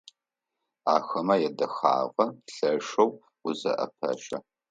Ахэмэ ядэхагъэ лъэшэу узыӏэпещэ.